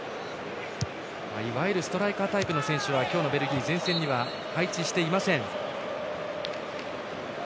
いわゆるストライカータイプの選手は今日のベルギー前線には配置していません。